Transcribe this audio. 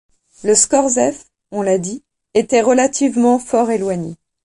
Le Scorzef, on l’a dit, était relativement fort éloigné.